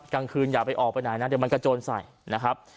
กลางคืนอย่าไปออกไปไหนนะเดี๋ยวมันกระโจนใส่นะครับ